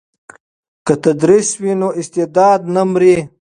که تدریس وي نو استعداد نه مري.